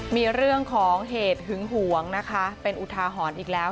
มีเรื่องของเหตุหึงหวงนะคะเป็นอุทาหรณ์อีกแล้ว